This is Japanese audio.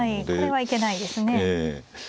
はいこれはいけないですね。